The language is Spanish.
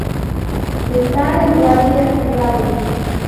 Estar en guardia, Raven.